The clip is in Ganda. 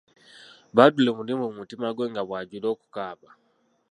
Badru muli mu mutima gwe nga bw'ajula okukaaba.